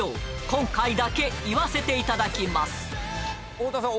今回だけ言わせていただきます太田さん